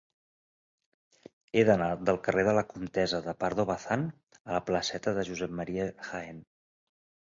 He d'anar del carrer de la Comtessa de Pardo Bazán a la placeta de Josep Ma. Jaén.